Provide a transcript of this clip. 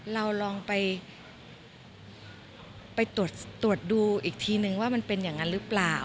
เราลองไปตรวจดูอีกทีนึงว่ามันเป็นอย่างนั้นหรือเปล่า